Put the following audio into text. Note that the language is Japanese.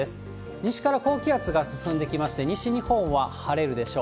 西から高気圧が進んできまして、西日本は晴れるでしょう。